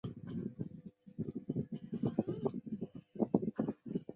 曾祖父郭景昭。